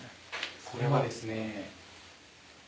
それはですね。